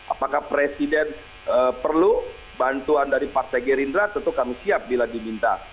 apakah presiden perlu bantuan dari partai gerindra tentu kami siap bila diminta